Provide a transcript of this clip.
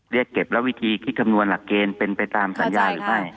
เรียกเก็บแล้ววิธีคิดคำนวณหลักเกณฑ์เป็นไปตามสัญญาหรือไม่